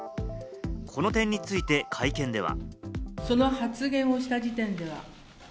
この点について会見では。